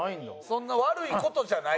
そんな悪い事じゃない？